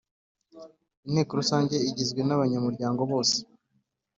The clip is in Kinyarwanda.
Inteko Rusange igizwe n abanyamuryango bose